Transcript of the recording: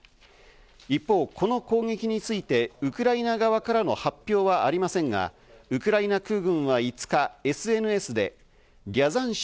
一方、この攻撃についてウクライナ側からの発表はありませんが、ウクライナ空軍は５日、ＳＮＳで「リャザン州。